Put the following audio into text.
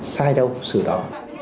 sai đâu sự đó